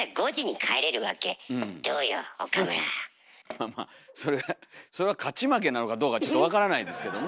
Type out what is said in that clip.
まあまあそれそれは勝ち負けなのかどうかちょっと分からないですけどもね。